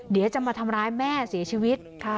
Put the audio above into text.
เดี๋ยวจะมาทำร้ายแม่เสียชีวิต